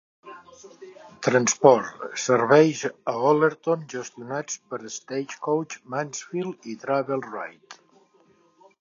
Transport: serveis a Ollerton gestionats per Stagecoach Mansfield i Travel Wright .